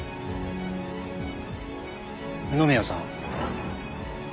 二宮さん。